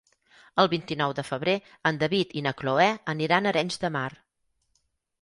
El vint-i-nou de febrer en David i na Cloè aniran a Arenys de Mar.